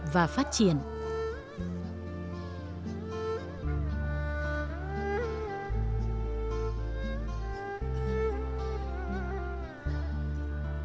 và sẽ được tạo ra